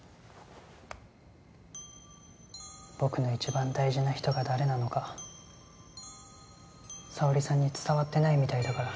僕の一番大事な人が誰なのか紗央莉さんに伝わってないみたいだから。